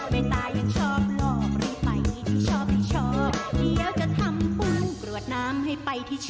แม่ตายังชอบหลอกเลยไปที่ชอบที่ชอบ